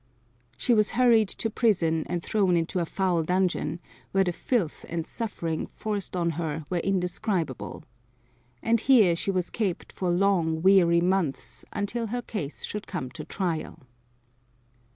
She was hurried to prison and thrown into a foul dungeon, where the filth and suffering forced on her were indescribable. And here she was kept for long, weary months until her case should come to trial.